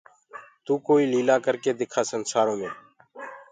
تو ڪوئيٚ ليلآ ڪرڪي دکآ سنسآرو مي